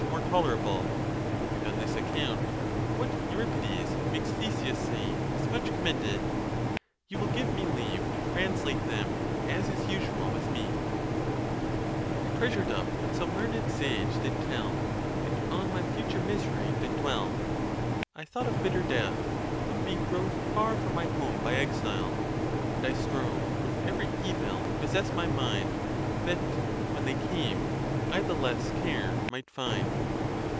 more tolerable; and on this account what Euripides makes 'Theseus say is much commended. You will give me leave to translate them, as is usual with me: I treasured up what some learn'd sage did tell, And on my future misery did dwell ; I thought of bitter death, of being drove Far from my home by exile, and I strove With every evil to possess my mind, That, when they came, I the less care might find."